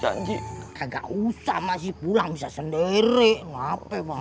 janji kagak usah masih pulang bisa sendiri ngapain pak